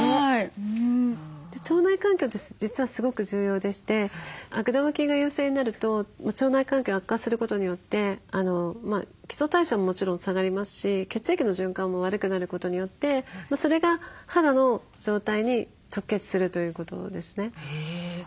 腸内環境って実はすごく重要でして悪玉菌が優勢になると腸内環境悪化することによって基礎代謝ももちろん下がりますし血液の循環も悪くなることによってそれが肌の状態に直結するということですね。